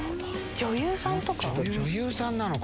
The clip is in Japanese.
女優さんとか？